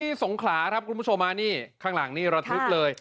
อยู่สงขาข้างหลังนี่ระทึกเลย